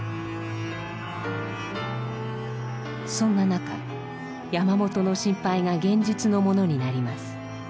そんな中山本の心配が現実のものになります。